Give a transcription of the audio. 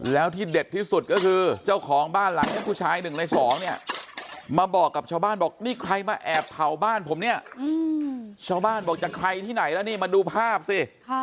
แล้วที่เด็ดที่สุดก็คือเจ้าของบ้านหลังนี้ผู้ชาย๑ใน๒เนี่ยมาบอกกับชาวบ้านบอกนี่ใครมาแอบเผาบ้านผมเนี่ยชาวบ้านบอกจะใครที่ไหนแล้วนี่มาดูภาพสิ